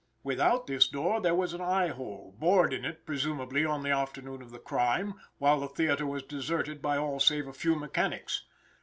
Without this door there was an eyehole, bored it is presumed on the afternoon of the crime, while the theater was deserted by all save a few mechanics.